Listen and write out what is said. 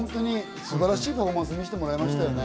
素晴らしいパフォーマンス見せてもらいましたよね。